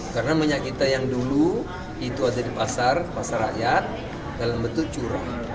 karena minyak kita yang dulu itu ada di pasar pasar rakyat dalam bentuk curah